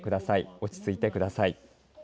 落ち着いてください。